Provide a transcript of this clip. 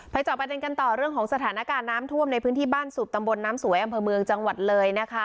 จอบประเด็นกันต่อเรื่องของสถานการณ์น้ำท่วมในพื้นที่บ้านสูบตำบลน้ำสวยอำเภอเมืองจังหวัดเลยนะคะ